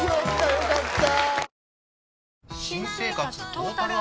よかった！